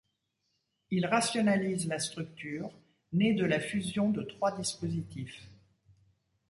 Il rationalise la structure, née de la fusion de trois dispositifs.